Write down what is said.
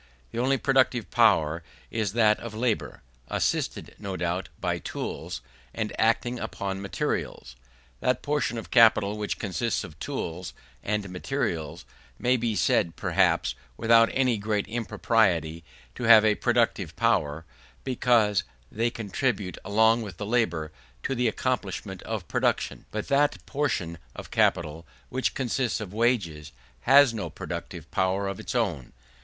The only productive power is that of labour; assisted, no doubt, by tools, and acting upon materials. That portion of capital which consists of tools and materials, may be said, perhaps, without any great impropriety, to have a productive power, because they contribute, along with labour, to the accomplishment of production. But that portion of capital which consists of wages, has no productive power of its own.